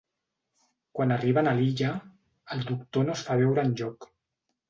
Quan arriben a l'illa, el doctor no es fa veure enlloc.